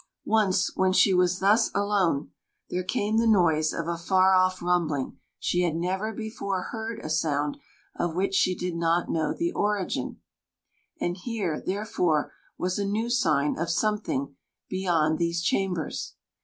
Once, when she was thus alone, there came the noise of a far off rumbling: she had never before heard a sound of which she did not know the origin, and here, therefore, was a new sign of something beyond these chambers.